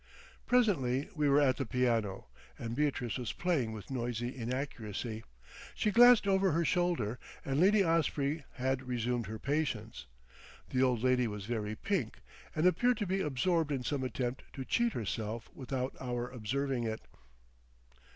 Presently we were at the piano, and Beatrice was playing with noisy inaccuracy. She glanced over her shoulder and Lady Osprey had resumed her patience. The old lady was very pink, and appeared to be absorbed in some attempt to cheat herself without our observing it.